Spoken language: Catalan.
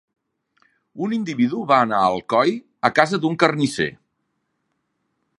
Un individu va anar a Alcoi a casa d’un carnisser.